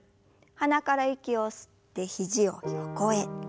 鼻から息を吸って肘を横へ。